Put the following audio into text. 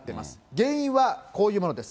原因はこういうものです。